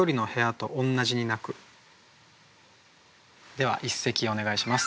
では一席お願いします。